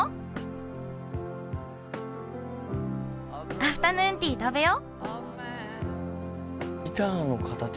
アフタヌーンティー、食べよう。